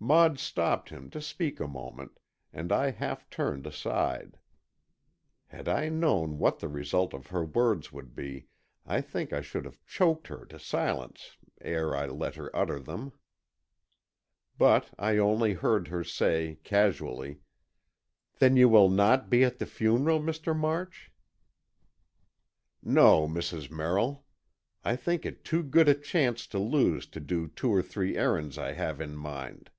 Maud stopped him to speak a moment, and I half turned aside. Had I known what the result of her words would be, I think I should have choked her to silence ere I let her utter them! But I only heard her say, casually: "Then you will not be at the funeral, Mr. March?" "No, Mrs. Merrill. I think it too good a chance to lose to do two or three errands I have in mind."